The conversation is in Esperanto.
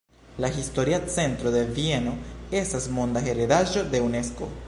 La historia centro de Vieno estas monda heredaĵo de Unesko.